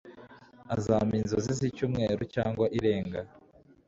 azampa inzozi zicyumweru cyangwa irenga